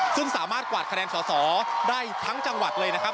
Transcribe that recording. ซึ่งสามารถกวาดคะแนนสอสอได้ทั้งจังหวัดเลยนะครับ